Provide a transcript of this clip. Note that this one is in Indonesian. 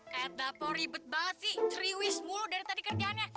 kayak dapur ribet banget sih triwismulo dari tadi kerjaannya